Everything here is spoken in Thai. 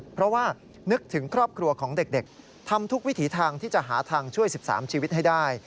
เพราะว่านึกถึงครอบครัวของเด็กทำทุกวิถีทางที่จะหาทางช่วย๑๓ชีวิตให้ได้